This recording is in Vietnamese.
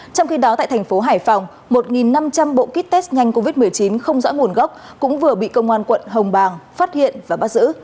trong khi đó tại thành phố hải phòng một năm trăm linh bộ kit test nhanh covid một mươi chín không rõ nguồn gốc cũng vừa bị công an quận hồng bàng phát hiện và bắt giữ